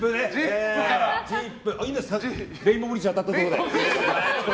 レインボーブリッジ渡ったところで。